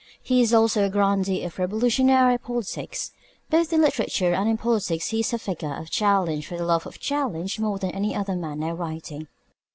He is also a grandee of revolutionary politics. Both in literature and in politics he is a figure of challenge for the love of challenge more than any other man now writing.